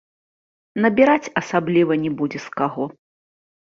Набіраць асабліва не будзе з каго.